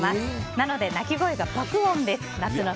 なので、鳴き声が爆音です。